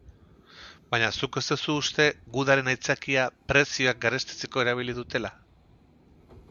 Baina zuk ez duzu uste gudaren aitzakia prezioak garestitzeko erabili dutela?